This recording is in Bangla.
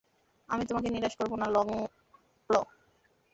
আমি তোমাকে নিরাশ করব না, লংক্ল।